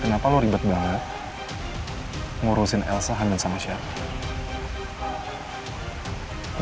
kenapa anda sangat ribet menguruskan elsa dengan siapa